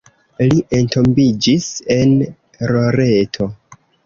Li entombiĝis en Loreto.